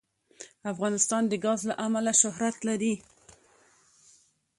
افغانستان د ګاز له امله شهرت لري.